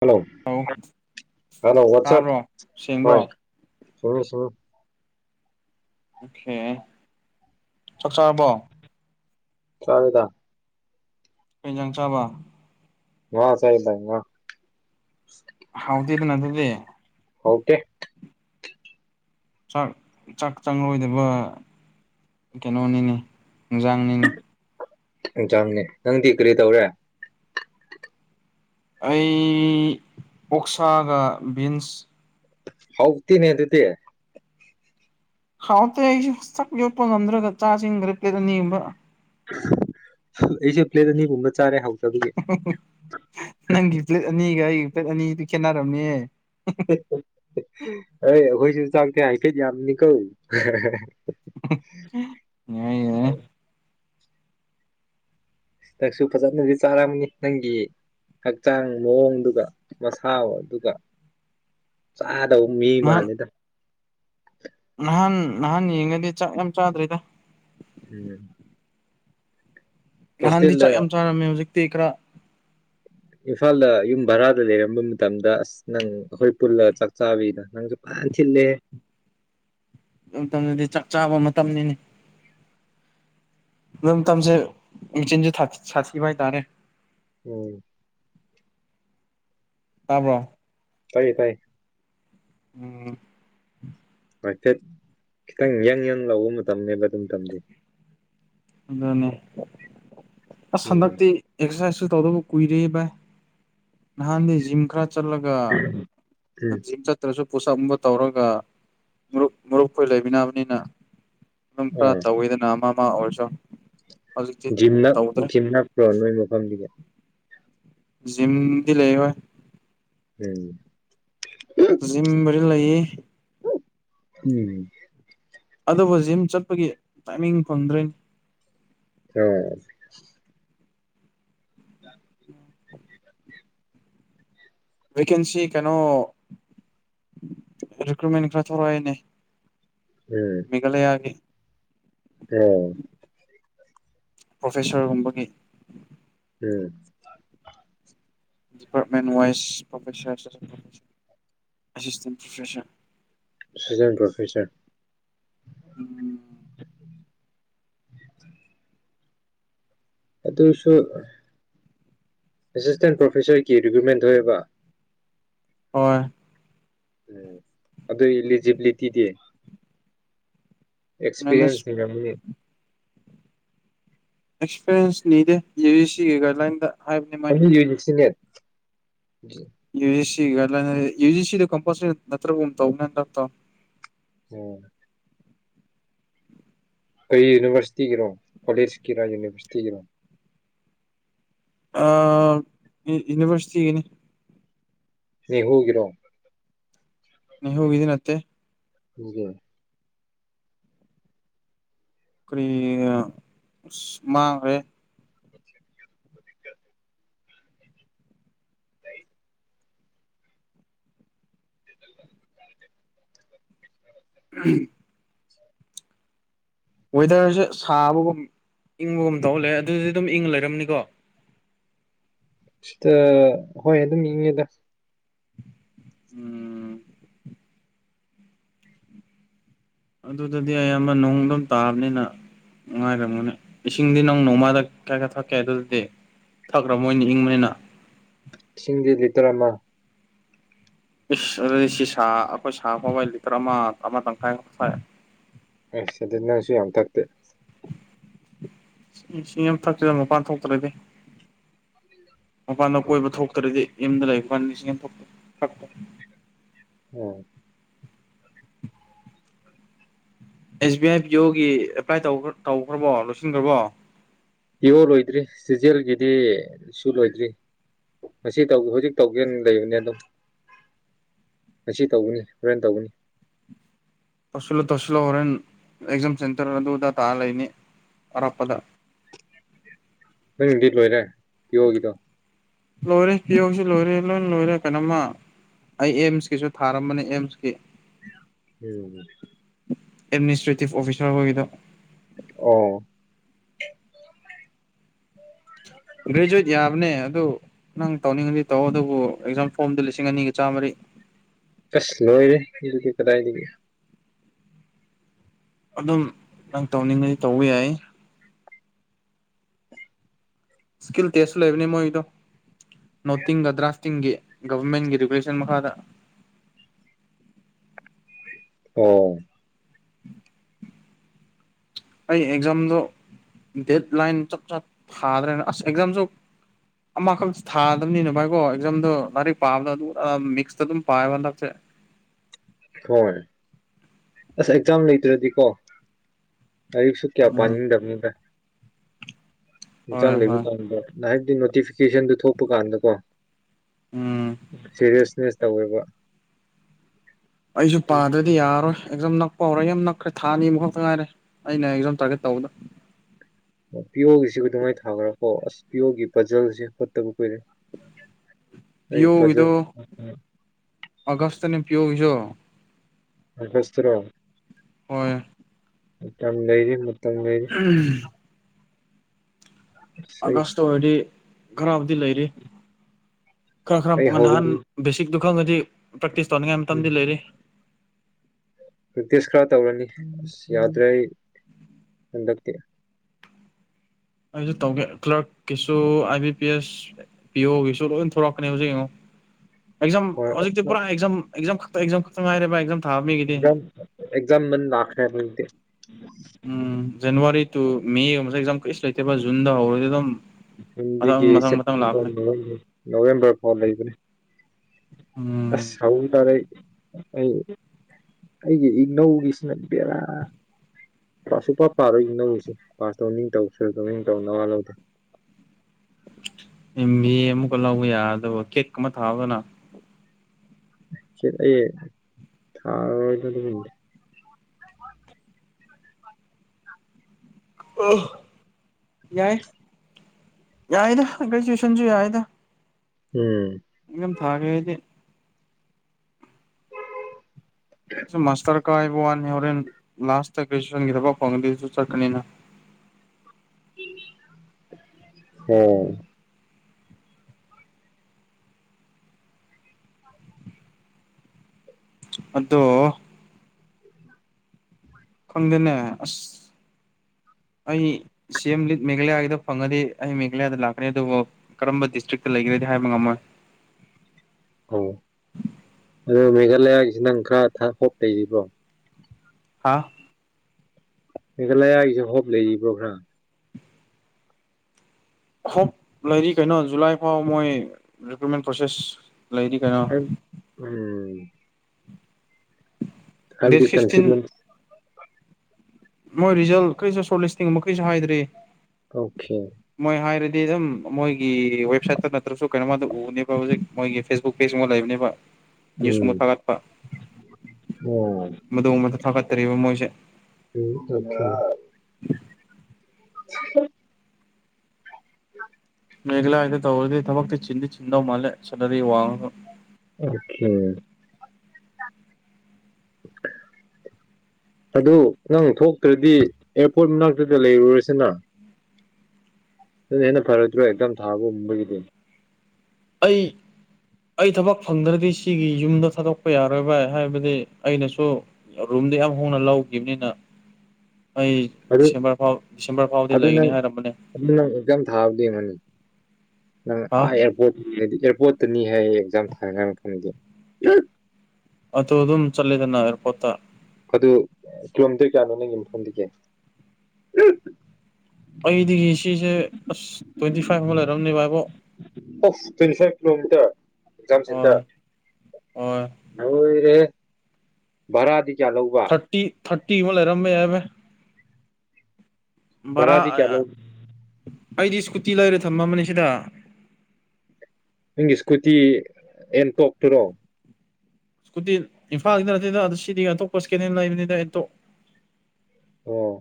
hello ꯑꯧ hello WhatsApp ꯇꯥꯕ꯭ꯔꯣ ꯍꯣꯢ ꯁꯦꯡꯕ꯭ꯔꯣ [unintelligible] ꯑꯣꯈꯦ ꯆꯥꯛ ꯆꯥꯔꯕꯣ ꯆꯥꯔꯦꯗ ꯀꯩ ꯏꯟꯖꯥꯡ ꯆꯥꯕ ꯉꯥ ꯆꯥꯢꯗ ꯉꯥ ꯍꯥꯎꯗꯦꯗ ꯅ ꯑꯗꯨꯗꯤ ꯍꯥꯎꯇꯦ ꯆꯥꯛ ꯆꯥꯛ ꯆꯪꯉꯣꯏꯗꯕ ꯀꯩꯅꯣꯅꯤꯅꯦ ꯏꯟꯖꯥꯡꯅꯤꯅꯦ ꯑꯦꯛꯖꯥꯝꯅꯦ ꯅꯪꯗꯤ ꯀꯔꯤ ꯇꯧꯔꯦ ꯑꯩ ꯑꯣꯛꯁꯥꯒ ꯕꯤꯟꯁ ꯍꯥꯎꯇꯦꯅꯦ ꯑꯗꯨꯗꯤ ꯍꯥꯎ ꯇꯦ ꯑꯩ ꯆꯨ ꯆꯞ ꯂꯦꯞꯄ ꯉꯝꯗ꯭ꯔꯒ ꯆꯥꯖꯤꯟꯒ꯭ꯔꯦ ꯄ꯭ꯂꯦꯠ ꯑꯅꯤꯒꯨꯝꯕ ꯑꯩꯁꯦ ꯄ꯭ꯂꯦꯗ ꯑꯅꯤꯒꯨꯝꯕ ꯆꯥꯔꯦ ꯍꯥꯎ ꯅꯪꯒꯤ ꯄ꯭ꯂꯦꯠ ꯑꯅꯤꯒ ꯑꯩꯒꯤ ꯄ꯭ꯂꯦꯠ ꯑꯅꯤꯒ ꯈꯦꯠꯅꯔꯝꯅꯤꯍꯦ ꯑꯥꯏ ꯑꯈꯣꯏꯁꯨ ꯆꯥꯛꯇꯦ ꯍꯥꯏꯐꯦꯠ ꯌꯥꯝꯅꯤ ꯀꯣ ꯌꯥꯏ ꯌꯥꯏ ꯅꯪꯁꯨ ꯐꯖꯅꯗꯤ ꯆꯥꯔꯝꯃꯅꯤ ꯅꯪꯒꯤ ꯍꯛꯆꯥꯡ ꯃꯑꯣꯡꯗꯨꯒ ꯃꯁꯥꯎ ꯑꯗꯨꯒ ꯆ ꯇꯧ ꯃꯤ ꯅꯍꯥꯟ ꯃꯥꯜꯂꯤꯗ ꯅꯍꯥꯟ ꯅꯍꯥꯟ ꯌꯦꯡꯉꯗꯤ ꯆꯥꯛ ꯌꯥꯝ ꯆꯥꯗ꯭ꯔꯦꯗ [unintelligible] ꯅꯍꯥꯟꯗꯤ ꯍꯣꯁꯇꯦꯜꯗ ꯆꯥꯛ ꯌꯥꯝ ꯆꯥꯔꯝꯃꯦ ꯍꯧꯖꯤꯛꯇꯤ ꯈꯔ ꯏꯝꯐꯥꯜꯗ ꯌꯨꯝ ꯚꯔꯥꯗ ꯂꯩꯔꯝꯕ ꯃꯇꯝꯗ ꯑꯁ ꯅꯪ ꯑꯈꯣꯏ ꯄꯨꯜꯂ ꯆꯥꯛ ꯆꯥꯕꯩꯗꯣ ꯅꯪꯁꯨ ꯐꯖ ꯊꯤꯜꯂꯦ ꯑꯗꯨ ꯃꯇꯝꯗꯗꯤ ꯆꯥꯛ ꯆꯥꯕ ꯃꯇꯝꯅꯤꯅꯦ ꯗꯨ ꯃꯇꯝꯁꯦ ꯃꯤꯆꯤꯟꯁꯦ ꯁꯥꯊꯤꯕ ꯍꯥꯏꯇꯥꯔꯦ ꯎꯝ ꯇꯥꯕ꯭ꯔꯣ ꯇꯥꯏꯌꯦ ꯇꯥꯏꯌꯦ ꯎꯝ ꯍꯥꯏꯐꯦꯠ ꯈꯤꯇꯪ ꯌꯪ ꯌꯪ ꯂꯥꯎꯕ ꯃꯇꯝꯅꯦꯕ ꯑꯗꯨ ꯃꯇꯝꯗꯤ ꯑꯗꯨꯅꯦ ꯑꯁ ꯎꯝ ꯍꯟꯗꯛꯇꯤ ꯑꯦꯛꯁꯔꯁꯥꯏꯁꯨ ꯇꯧꯗꯕ ꯀꯨꯏꯔꯦꯍꯦ ꯕꯥꯏ ꯅꯍꯥꯟꯗꯤ ꯖꯤꯝ ꯈꯔ ꯆꯠꯂꯒ ꯎꯝ ꯖꯤꯝ ꯆꯠꯇ꯭ꯔꯁꯨ ꯄꯨꯁ ꯑꯞ ꯀꯨꯝꯕ ꯇꯧꯔꯒꯨ ꯃꯔꯨꯞ ꯃꯔꯨꯞꯈꯣꯏ ꯂꯩꯃꯤꯟꯅꯕꯅꯤꯅ ꯑꯗꯨꯝ ꯈꯔ ꯑꯥ ꯇꯧꯋꯤꯗꯅ ꯑꯃ ꯑꯃ ꯑꯣꯏꯔꯁꯨ ꯍꯧꯖꯤꯛꯇꯤ ꯖꯤꯝꯅ ꯇꯧꯗ꯭ꯔꯦ ꯖꯤꯝ ꯅꯛꯄ꯭ꯔꯣ ꯅꯣꯏ ꯃꯐꯝꯗꯒꯤ ꯖꯤꯝꯗꯤ ꯂꯩꯔꯣꯏ ꯎꯝ ꯖꯤꯝꯒ ꯂꯩꯌꯦ ꯎꯝ ꯑꯗꯨꯕꯨ ꯖꯤꯝ ꯆꯠꯄꯒꯤ ꯇꯥꯏꯃꯤꯡ ꯐꯪꯗ꯭ꯔꯦꯅꯦ ꯑꯣ ꯚꯦꯀꯦꯟꯁꯤ ꯀꯩꯅꯣ ꯔꯤꯀ꯭ꯔꯨꯏꯠꯃꯦꯟ ꯈꯔ ꯊꯧꯔꯛꯑꯦꯅꯦ ꯎꯝ ꯃꯤꯘꯂꯌꯥꯒꯤ [unintelligible] ꯄ꯭ꯔꯣꯐꯦꯁꯔꯒꯨꯝꯕꯒꯤ ꯎꯝ [unintelligible] ꯄꯔꯣꯐꯦꯁꯥꯔ ꯑꯦꯁꯤꯁꯇꯦꯟ ꯄ꯭ꯔꯣꯐꯦꯁꯌ [unintelligible] ꯄ꯭ꯔꯣꯐꯦꯁꯔ ꯎꯝ [inaudible] ꯑꯗꯨꯁꯨ ꯑꯦꯁꯤꯁꯇꯦꯟ ꯄ꯭ꯔꯣꯐꯦꯁꯔꯒꯤ ꯔꯤꯀ꯭ꯔꯨꯠꯃꯦꯟ ꯊꯣꯛꯑꯦꯕ ꯍꯣꯏ ꯎꯝ ꯑꯗꯨ ꯏꯂꯤꯖꯤꯕꯤꯂꯤꯇꯤꯗꯤ ꯃꯦꯅꯦꯖ ꯑꯦꯛꯁꯄꯤꯔꯦꯟꯁ ꯂꯩꯔꯝꯒꯅꯤ ꯑꯦꯛꯁꯄꯤꯔꯦꯟ ꯏꯗꯦ [unintelligible] ꯑꯗꯨ ꯌꯦꯡꯉꯨꯁꯤꯅꯦ [inaudible] [unintelligible] ꯎꯝ ꯀꯔꯤ ꯌꯨꯅꯤꯚꯔꯁꯤꯇꯤꯒꯤꯔꯣ ꯀꯣꯂꯦꯖꯀꯤꯔ ꯌꯨꯅꯤꯚꯔꯁꯤꯇꯤꯒꯤꯔꯣ ꯑ ꯌꯨ ꯌꯨꯅꯤꯚꯔꯁꯤꯇꯤꯒꯤꯅꯤ ꯃꯤ ꯍꯨꯒꯤꯔꯣ ꯃꯤꯍꯨ ꯒꯤꯗꯤꯅꯠꯇꯦ [unintelligible] ꯀꯔꯤ ꯑꯁ ꯃꯥꯥꯡꯒꯔꯦ ꯎꯝ ꯋꯦꯗꯔꯁꯦ ꯁꯥꯕꯒꯨꯝ ꯏꯪꯕꯒꯨꯝ ꯇꯧꯂꯩꯔꯦ ꯑꯗꯨꯗꯤ ꯑꯗꯨꯝ ꯏꯪ ꯂꯩꯔꯝꯅꯤꯀꯣ ꯁꯤꯇ ꯍꯣꯏ ꯑꯗꯨꯝ ꯏꯪꯉꯦꯗ ꯎꯝ ꯑꯗꯨꯗꯗꯤ ꯑꯌꯥꯝꯕ ꯅꯣꯡ ꯑꯗꯨꯝ ꯇꯥꯕꯥꯅꯤꯅ ꯅꯨꯡꯉꯥꯏꯔꯝꯒꯅꯤ ꯏꯁꯤꯡꯗꯤ ꯅꯪ ꯅꯣꯡꯃꯥꯗ ꯀꯌꯥ ꯀꯌꯥ ꯊꯛꯀꯦ ꯑꯗꯨꯗꯗꯤ ꯊꯥꯛꯂꯝ ꯔꯣꯏꯅꯦ ꯏꯪꯕꯅꯤꯅꯥ ꯏꯤꯁꯤꯡꯗꯤ ꯂꯤꯇꯔ ꯑꯃ [unintelligible] ꯑꯥꯁ ꯑꯗꯨꯗꯤ ꯅꯪꯁꯨ ꯌꯥꯝ ꯊꯛꯇꯦ [unintelligible] [unintelligible] [inaudible] ꯑꯦꯁ ꯕꯤ ꯑꯥꯏ ꯕꯤꯌꯣꯒꯤ ꯑꯦꯄ꯭ꯂꯥꯏ ꯇꯧꯕ ꯇꯧꯈ꯭ꯔꯕꯣ ꯂꯣꯏꯁꯤꯟꯈ꯭ꯔꯕꯣ ꯏꯌꯣ ꯂꯣꯏꯗ꯭ꯔꯤ ꯆꯦꯖꯦꯜꯒꯤꯗꯤ ꯏꯁꯨ ꯂꯣꯏꯗ꯭ꯔꯤ ꯉꯁꯤ ꯇꯧ ꯍꯧꯖꯤꯛ ꯇꯧꯒꯦꯅ ꯂꯩꯕꯅꯦ ꯑꯗꯣ ꯉꯁꯤ ꯇꯧꯒꯅꯤ ꯍꯣꯔꯦꯟ ꯇꯧꯒꯅꯤ ꯇꯧꯁꯟꯂꯣ ꯇꯧꯁꯟꯂꯣ ꯍꯣꯔꯦꯟ ꯑꯦꯛꯖꯥꯝ ꯁꯦꯟꯇꯔ ꯑꯗꯨ ꯑꯗꯥ ꯇꯥ ꯂꯩꯅꯤ ꯑꯔꯥꯞꯄꯗ ꯅꯪꯒꯤ ꯂꯣꯏꯔꯦ ꯄꯤꯌꯣ ꯒꯤꯗꯣ ꯂꯣꯏꯔꯦ ꯄꯤꯑꯣꯒꯤꯁꯨ ꯂꯣꯏꯔꯦ ꯂꯣꯏ ꯂꯣꯏꯔꯦ ꯀꯩꯅꯣꯝꯃ ꯑꯩ ꯑꯦꯝꯁꯀꯤꯁꯨ ꯊꯥꯔꯝꯕꯅꯤ ꯑꯦꯝꯁꯀꯤ ꯎꯝ [inaudible] ꯑꯦꯗꯃꯤꯁꯇ꯭ꯔꯦꯇꯤꯞ ꯑꯣꯐꯤꯁꯔ ꯍꯣꯏꯒꯤꯗ ꯑꯣ ꯒ꯭ꯔꯦꯖꯨꯌꯦꯠ ꯌꯥꯕꯅꯦ ꯑꯗꯨ ꯅꯪ ꯇꯧꯅꯤꯡꯉꯗꯤ ꯇꯧꯑꯣ ꯑꯗꯨꯕꯨ ꯑꯦꯛꯖꯥꯝ ꯐꯣꯝꯗꯨ ꯂꯤꯁꯤꯡ ꯑꯅꯤꯒ ꯆꯥꯝꯃꯔꯤ [unintelligible] ꯑꯁ ꯂꯣꯏꯔꯦ ꯑꯗꯨꯗꯤ ꯀꯗꯥꯏꯗꯒꯤ ꯑꯗꯨꯝ ꯅꯪ ꯇꯧꯅꯤꯡꯉꯗꯤ ꯇꯧꯕ ꯌꯥꯏ ꯏꯁꯀꯤꯜ ꯇꯦꯁꯁꯨ ꯂꯩꯕꯅꯦ ꯃꯣꯏꯗꯣ ꯅꯣꯇꯤꯡꯒ ꯗ꯭ꯔꯥꯐꯇꯤꯡꯒꯤ ꯒꯚꯔꯃꯦꯟꯒꯤ ꯔꯤꯒꯨꯂꯦꯁꯟ ꯃꯈꯥꯗ [unintelligible] ꯑꯣ [inaudible] ꯑꯩ ꯑꯦꯛꯖꯥꯝꯗꯣ ꯗꯦꯠ ꯂꯥꯏꯟ ꯆꯞ ꯆꯥ ꯊꯥꯗ꯭ꯔꯦꯅ ꯑꯁ ꯑꯦꯛꯖꯥꯝꯁꯨ ꯑꯃꯈꯛ ꯊꯥꯗꯝꯅꯤꯅ ꯚꯥꯏꯀꯣ ꯑꯦꯛꯖꯥꯝꯗꯣ ꯂꯥꯏꯔꯤꯛ ꯄꯥꯕꯗ ꯑꯗꯨ ꯑ ꯃꯤꯛꯁꯇ ꯑꯗꯨꯝ ꯄꯥꯏꯑꯦꯕ ꯍꯟꯗꯛꯁꯦ [unintelligible] ꯍꯣꯏ ꯑꯁ ꯑꯦꯛꯖꯥꯝ ꯂꯩꯇ꯭ꯔꯗꯤꯀꯣ ꯂꯥꯏꯔꯤꯛꯁꯨ ꯀꯌꯥ ꯎꯝ ꯄꯥꯅꯤꯡꯗꯕꯅꯤꯗ ꯍꯣꯏ ꯑꯦꯛꯖꯥꯝ ꯂꯩꯕ ꯍꯣꯏ ꯀꯥꯟꯗ ꯍꯥꯏꯕꯗꯤ ꯅꯣꯇꯤꯐꯤꯀꯦꯁꯟꯗꯨ ꯊꯣꯛꯄ ꯀꯥꯟꯗꯀꯣ ꯎꯝ ꯁꯦꯔꯦꯁꯅꯦꯁ ꯇꯧꯋꯦꯕ ꯑꯩꯖꯨ ꯄꯥꯗ꯭ꯔꯗꯤ ꯌꯥꯔꯔꯣꯏ ꯑꯦꯛꯖꯥꯝꯗꯣ ꯄꯥꯎꯔꯦ ꯌꯥꯝ ꯅꯛꯈ꯭ꯔꯦ ꯊꯥ ꯑꯅꯤ ꯑꯃꯈꯛꯇ ꯉꯥꯏꯔꯦ ꯑꯩꯅ ꯑꯦꯛꯖꯥꯝ ꯇꯥꯔꯒꯦꯠ ꯇꯧꯕꯗ ꯑ ꯄꯤꯌꯨꯒꯤꯁꯤ ꯀ ꯑꯗꯨꯃꯥꯏꯅ ꯊꯥꯈ꯭ꯔꯥ ꯀꯣ ꯑꯁ ꯄꯤꯌꯨꯒꯤ ꯕꯖꯜꯁꯦ ꯈꯣꯠꯇꯕ ꯀꯨꯏꯔꯦ [inaudible] ꯑꯩ ꯄꯖ ꯑꯒꯁꯇꯅꯦ ꯄꯤꯑꯣꯒꯤꯖꯨ ꯑꯒꯁꯇꯔꯣ ꯍꯣꯏ ꯃꯇꯝ ꯂꯩꯔꯤꯅ ꯎꯝ ꯑꯁ ꯑꯩ ꯑꯒꯁꯇ ꯑꯣꯏꯔꯗꯤ ꯈꯔꯕꯨꯗꯤ ꯂꯩꯔꯤ ꯈꯔ ꯈꯔ ꯑꯩ ꯅꯍꯥꯟ ꯍꯧꯔꯅꯤ ꯕꯦꯁꯤꯛꯇꯨ ꯈꯪꯒꯗꯤ ꯄ꯭ꯔꯦꯛꯇꯤꯁ ꯇꯧꯅꯤꯡꯉꯥꯏ ꯎꯝ ꯃꯇꯝꯗꯤ ꯂꯩꯔꯤ ꯄ꯭ꯔꯦꯛꯇꯤꯁ ꯈꯔ ꯇꯧꯔꯅꯤ ꯑꯁ ꯌꯥꯗ꯭ꯔꯦ ꯑꯩ ꯍꯟꯗꯛꯇꯤ ꯑꯩꯁꯨ ꯇꯧꯒꯦ ꯀ꯭ꯂꯔꯛꯀꯤꯁꯨ ꯑꯥꯏ ꯕꯤ ꯄꯤ ꯑꯦꯁ ꯄꯤ ꯑꯣ ꯒꯤꯁꯨ ꯂꯣꯏ ꯊꯣꯔꯛꯀꯅꯤ ꯍꯧꯖꯤꯛ ꯌꯦꯡꯉꯣ ꯑꯦꯛꯖꯥꯝ ꯍꯣꯏ ꯍꯧꯖꯤꯛꯇꯤ ꯄꯨꯔꯥ ꯑꯦꯛꯖꯥꯝ ꯑꯦꯛꯖꯥꯝ ꯈꯛꯇ ꯑꯦꯛꯖꯥꯝ ꯈꯛꯇ ꯉꯥꯏꯔꯦ ꯕꯥꯢ ꯑꯦꯛꯖꯥꯝ ꯊꯥꯕ ꯃꯤꯒꯤꯗꯤ ꯑꯦꯛꯖꯥꯝ ꯑꯦꯛꯖꯥꯝ ꯃꯟ ꯂꯥꯛꯈꯔꯦ ꯍꯨꯖꯤꯛꯇꯤ ꯎꯝ ꯖꯅꯋꯥꯔꯤ ꯇꯨ ꯃꯦꯒꯝꯨꯕꯁꯦ ꯑꯦꯛꯖꯥꯝ ꯂꯩꯇꯦꯕ ꯖꯨꯟꯗ ꯍꯧꯔꯗꯤ ꯑꯗꯨꯝ ꯃꯊꯪ ꯍꯤꯟꯗꯤꯒꯤ ꯃꯊꯪ ꯃꯊꯪ ꯂꯥꯛꯀꯅꯤ ꯁꯦꯞꯇꯦꯝꯕꯔ ꯅꯣꯕꯦꯝꯕꯔ ꯐꯥꯎ ꯂꯩꯕꯅꯤ ꯎꯝ ꯑꯁ ꯍꯧꯕ ꯇꯥꯔꯦ ꯑꯩ ꯑꯩꯒꯤ ꯏ ꯅꯧꯒꯤꯁꯤꯅ ꯕꯦꯔꯥ ꯑ ꯁꯨ ꯄꯥ ꯄꯥꯔꯣꯏ ꯏꯅꯧꯒꯤꯁꯨ ꯄꯥꯁ ꯇꯧ ꯅꯤꯡ ꯇꯧ ꯁꯅꯨ ꯇꯧ ꯅꯤꯡ ꯇꯧ ꯅꯋꯥ ꯂꯧꯗ ꯑꯦꯝ ꯃꯦ ꯑꯃꯨꯛꯀ ꯂꯧꯕ ꯌꯥ ꯑꯗꯨꯕ ꯀꯦꯇꯀꯨꯝꯕ ꯊꯥꯕꯅ ꯀꯦꯠ ꯑꯦ ꯊꯥꯔꯔꯣꯏꯗ꯭ꯔꯥ ꯑꯗꯨꯒ ꯗꯤ ꯑꯣ ꯌꯥꯏ ꯌꯥꯏꯗ ꯒꯔꯦꯖꯨꯌꯦꯁꯟꯁꯨ ꯌꯥꯏꯗ ꯎꯝ ꯏꯛꯖꯥꯝ ꯊꯥꯒ꯭ꯔꯦ ꯑꯩꯗꯤ ꯁꯨ ꯃꯥꯁꯇꯔ ꯀꯥꯏꯕ ꯋꯥ ꯍꯣꯔꯦꯟ ꯂꯥꯁꯇ ꯒ꯭ꯔꯦꯖꯨꯁꯟꯒꯤ ꯊꯕꯛ ꯐꯪꯑꯗꯤ ꯑꯩꯁꯨ ꯆꯠꯀꯅꯤꯅ ꯑꯣ ꯑꯗꯣ ꯈꯪꯗꯦꯅꯦ ꯑꯁ ꯑꯩ ꯁꯦꯝ ꯂꯤ ꯃꯦꯘꯂꯌꯥꯒꯤꯗꯣ ꯐꯪꯉꯗꯤ ꯑꯩ ꯃꯦꯘꯥꯂꯌꯥꯗ ꯂꯥꯛꯀꯅꯤ ꯑꯗꯨꯕꯨ ꯀꯔꯝꯕ ꯗꯤꯁꯇ꯭ꯔꯤꯛꯇ ꯂꯩꯒ ꯗꯦ ꯍꯥꯏꯕ ꯉꯝꯃꯣꯏ ꯑꯣ ꯑꯗꯨ ꯃꯦꯘꯥꯂꯌꯥꯒꯤꯁꯤ ꯅꯪ ꯈꯔ ꯍꯣꯞ ꯂꯩꯔꯤꯕ꯭ꯔꯣ ꯍꯥꯥ ꯃꯦꯘꯥꯂꯌꯥꯒꯤꯁꯨ ꯍꯣꯞ ꯂꯩꯔꯤꯕ꯭ꯔꯣꯒ꯭ꯔꯥ ꯍꯣꯞ ꯂꯩꯔꯤ ꯀꯩꯅꯣ ꯖꯨꯂꯥꯏ ꯐꯥꯎ ꯃꯣꯏ ꯔꯤꯀ꯭ꯔꯨꯃꯦꯟ ꯄ꯭ꯔꯣꯁꯦꯁ ꯂꯩꯔꯤ ꯀꯩꯅꯣ ꯑꯗꯨ ꯎꯝ ꯗꯦꯠ ꯍꯥꯏꯕꯗꯤ ꯐꯤꯐꯇꯤꯟ ꯀꯟꯁꯤꯗꯨꯌꯦꯟ ꯃꯣꯏ ꯔꯤꯖꯜ ꯀꯔꯤꯁꯨ ꯁꯣꯔꯠ ꯂꯤꯁꯇꯤꯡ ꯃꯈꯩꯁꯨ ꯍꯥꯏꯗ꯭ꯔꯤ ꯑꯣ ꯈꯦ ꯗꯤ ꯑꯗꯨꯝ ꯃꯣꯏꯒꯤ ꯋꯦꯕꯁꯥꯏꯠꯇ ꯅꯠꯇ꯭ꯔꯁꯨ ꯀꯩꯅꯣꯃꯗ ꯎꯗꯦꯕ ꯍꯧꯖꯤꯛ ꯃꯣꯏꯒꯤ ꯐꯦꯁꯕꯨꯛ ꯄꯦꯖ ꯑꯃ ꯂꯩꯕꯅꯦꯕ ꯅꯌꯨꯁ ꯎꯝ ꯃꯨꯛ ꯊꯥꯒꯠꯄ ꯑꯣ ꯃꯗꯨꯕꯗ ꯊꯥꯒꯠꯇꯔꯤꯕ ꯃꯣꯏꯁꯦ [unintelligible] [inaudible] [inaudible] [inaudible] ꯃꯦꯘꯂꯌꯥꯒꯤꯗꯣ ꯇꯧꯔꯗꯤ ꯊꯕꯛꯛꯇ ꯆꯤꯟ ꯆꯤꯟꯗꯧ ꯃꯥꯂꯦ ꯁꯦꯂꯔꯤ ꯋꯥꯡꯂꯁꯨ ꯑꯣꯀꯦ [inaudible] ꯑꯗꯨ ꯅꯪ ꯊꯣꯛꯇ꯭ꯔꯗꯤ ꯑꯦꯌꯥꯔꯄꯣꯔꯠ ꯃꯅꯥꯛꯇꯨꯗ ꯂꯩꯔꯨꯔꯁꯤꯅ ꯑꯗꯨ ꯍꯦꯟꯅ ꯐꯔꯣꯏꯗ꯭ꯔꯣ ꯑꯦꯛꯖꯥꯝ ꯊꯥꯕ ꯒꯨꯝꯕꯒꯤꯗꯤ ꯑꯩ ꯑꯩ ꯊꯕꯛ ꯐꯪꯗ꯭ꯔꯗꯤ ꯁꯤꯒꯤ ꯌꯨꯝꯗꯣ ꯊꯥꯗꯣꯛꯄ ꯌꯥꯔꯣꯏ ꯕꯥꯏ ꯍꯥꯏꯕꯗꯤ ꯑꯩꯅꯁꯨ ꯑꯔꯨ ꯌꯨꯝꯗ ꯌꯥꯝ ꯍꯣꯡ ꯂꯧꯒꯤꯕꯅꯤꯅ ꯑꯩ ꯑꯗꯨ ꯗꯤꯁꯦꯝꯕꯔ ꯐꯥꯎ ꯗꯤꯁꯦꯝꯕꯔ ꯐꯥꯎꯗꯤ ꯑꯗꯨ ꯂꯩꯒꯅꯤ ꯅꯪ ꯍꯥꯏꯔꯝꯕꯅꯦ [inaudible] ꯑꯗꯨ ꯅꯪ ꯑꯦꯛꯖꯥꯝ ꯊꯥꯕꯗꯤ ꯌꯦꯡꯉꯣꯅꯦ ꯑꯥ ꯍꯥ ꯑꯦꯔꯄꯣꯠ [unintelligible] ꯑꯦꯔꯄꯣꯠ ꯇꯅꯤ ꯍꯥꯏ ꯑꯦꯛꯖꯥꯝ ꯊꯥꯔꯀꯥꯟ ꯈꯪꯗꯦ ꯑꯇꯣ ꯑꯗꯨꯝ ꯆꯠꯂꯦꯗꯅ ꯑꯦꯔꯄꯣꯠꯇ ꯑꯗꯨ ꯀꯤꯂꯣꯃꯤꯇꯔ ꯀꯌꯥꯅꯣ ꯅꯪꯒꯤ ꯃꯐꯝꯗꯒꯤ ꯑꯩꯗꯤ ꯁꯤꯁꯦ ꯑꯁ ꯇ꯭ꯋꯦꯟꯇꯤ ꯐꯥꯏꯚ ꯐꯥꯎ ꯂꯩꯔꯝꯅꯦꯕ ꯍꯥꯏꯕꯣ of twenty five kilometre exam centre ꯍꯣꯏ ꯂꯣꯏꯔꯦꯍꯦ ꯚꯔꯥꯗꯤ ꯀꯌꯥ ꯂꯧꯕ ꯊꯥꯔꯇꯤ ꯊꯥꯔꯇꯤ ꯃꯨꯛ ꯂꯩꯔꯝꯕ ꯌꯥꯏ ꯚꯥꯏ ꯕꯔꯥ ꯚꯔꯥꯗꯤ ꯀꯌꯥ ꯂꯧ ꯑꯩꯗꯤ ꯁ꯭ꯀꯨꯇꯤ ꯂꯩꯔ ꯊꯝꯝꯕꯅꯦ ꯁꯤꯗ ꯅꯪꯒꯤ ꯏꯁꯀꯨꯇꯤ ꯑꯦꯟꯇꯣꯛꯇꯨꯔꯣ ꯁꯀꯨꯇꯤ ꯏꯝꯐꯥꯜꯒꯤꯗ ꯅꯠꯇꯦꯗ ꯑꯗꯨ ꯁꯤꯗꯤ ꯑꯇꯣꯞꯄ ꯁꯀꯦꯟ ꯍꯦꯟ ꯂꯩꯕꯅꯤꯗ ꯑꯩꯇꯣ ꯑꯣ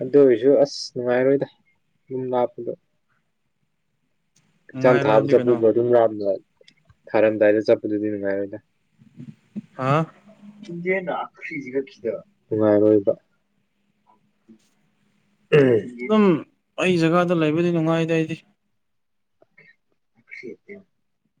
ꯑꯗꯨ ꯑꯣꯏꯔꯁꯨ ꯑꯁ ꯅꯨꯡꯉꯥꯏꯔꯣꯏꯗ ꯑꯗꯨꯝ ꯂꯥꯛꯄꯗꯣ ꯑꯦꯛꯖꯥꯝ ꯅꯨꯡꯉꯥꯏꯔꯣꯏ ꯊꯥꯕ ꯍꯥꯏꯕꯗꯤ ꯆꯠꯄ ꯀꯩꯅꯣ ꯑꯗꯨꯝ ꯂꯞꯄ ꯊꯥꯔꯝꯗꯥꯏꯗ ꯆꯠꯄꯗꯨꯗꯤ ꯅꯨꯡꯉꯥꯏꯔꯣꯏꯗ ꯍꯥ [unintelligible] [unintelligible] ꯁꯤꯗ ꯅꯨꯡꯉꯥꯏꯔꯣꯏꯕ ꯎꯍꯝ ꯑꯗꯨꯝ ꯑꯩ ꯖꯒꯥꯗ ꯂꯩꯕꯗꯤ ꯅꯨꯡꯉꯥꯏꯗ ꯑꯩꯗꯤ [unintelligible]